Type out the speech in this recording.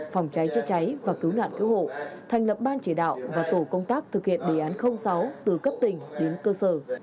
phòng cháy chữa cháy và cứu nạn cứu hộ thành lập ban chỉ đạo và tổ công tác thực hiện đề án sáu từ cấp tỉnh đến cơ sở